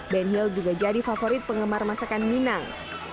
ben hill juga jadi favorit penggemar masakan minang